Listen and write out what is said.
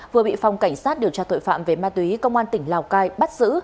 vừa bị phòng cảnh sát điều tra tội phạm về ma túy công an tỉnh lào cai bắt giữ